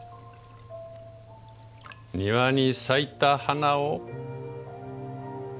庭に咲いた花を一輪。